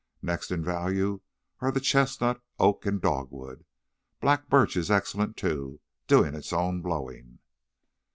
Next in value are the chestnut, oak and dogwood. Black birch is excellent, too, doing its own blowing."